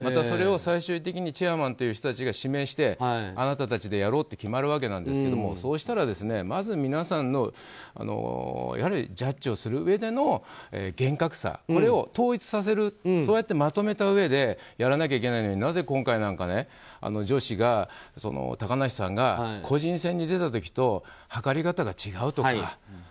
それを最終的にチェアマンという人たちが指名してあななたちでやろうって決まるわけなんですけどそうしたら、まず皆さんのジャッジをするうえでの厳格さこれを統一させるそうやってまとめたうえでやらなきゃいけないのになぜ今回高梨さんが個人戦に出た時と測り方が違うとか